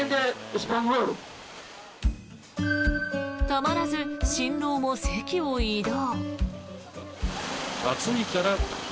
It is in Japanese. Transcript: たまらず新郎も席を移動。